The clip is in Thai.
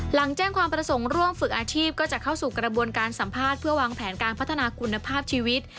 หลังแจ้งความประสงค์ร่วมฝึกอาชีพก็จะเข้าสู่กระบวนการสัมภาษณ์เพื่อวางแผนการพัฒนาคุณภาพชีวิต